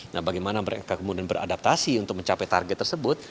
nah bagaimana mereka kemudian beradaptasi untuk mencapai target tersebut